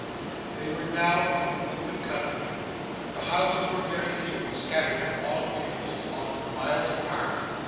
They were now in the open country; the houses were very few and scattered at long intervals, often miles apart.